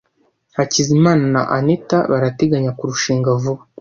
Hakizimana na Anita barateganya kurushinga vuba.